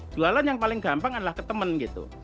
jualan yang paling gampang adalah ke temen gitu